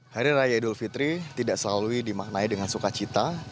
hari raya idul fitri tidak selalu dimaknai dengan sukacita